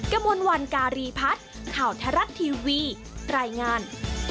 กระมวลวันการีพัฒน์ข่าวไทยรัฐทีวีรายงาน